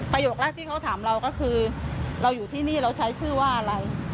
แรกที่เขาถามเราก็คือเราอยู่ที่นี่เราใช้ชื่อว่าอะไร